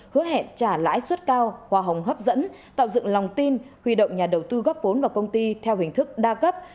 hứa hẹn trả lãi suất cao hòa hồng hấp dẫn tạo dựng lòng tin huy động nhà đầu tư góp vốn vào công ty theo hình thức đa cấp